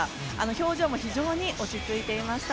表情も非常に落ち着いていました。